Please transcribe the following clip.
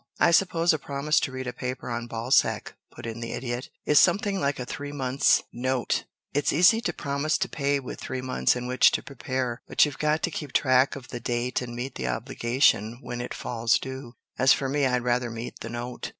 "I suppose a promise to read a paper on Balzac," put in the Idiot, "is something like a three months' note. It's easy to promise to pay, with three months in which to prepare, but you've got to keep track of the date and meet the obligation when it falls due. As for me, I'd rather meet the note."